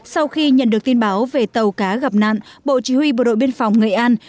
sau khi nhận được tin báo về tàu cá gặp nạn bộ chỉ huy bộ đội biên phòng nghệ an